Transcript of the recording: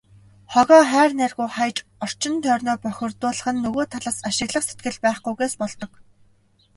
Хогоо хайр найргүй хаяж, орчин тойрноо бохирдуулах нь нөгөө талаас ашиглах сэтгэл байхгүйгээс болдог.